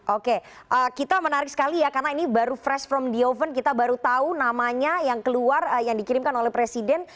oke kita menarik sekali ya karena ini baru fresh from the oven kita baru tahu namanya yang keluar yang dikirimkan oleh presiden